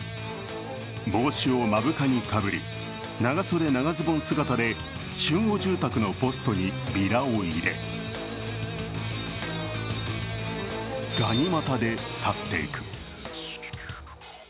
帽子を目深にかぶり、長袖長ズボン姿で集合住宅のポストにビラを入れがに股で去っていく。